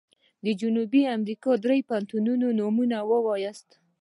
د جنوبي امريکا د دریو هيوادونو نومونه ووایاست.